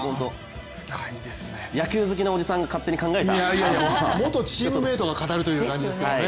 野球好きなおじさんが勝手に考えた元チームメートが語るという感じですからね。